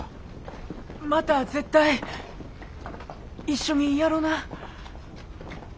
また絶対一緒にやろな。